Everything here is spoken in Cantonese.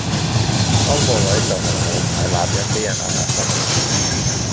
嬲個位就係我唔係男人被人嗌阿生